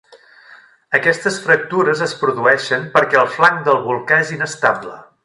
Aquestes fractures es produeixen perquè el flanc del volcà és inestable.